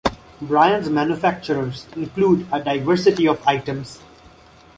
Bryan's manufacturers include a diversity of items.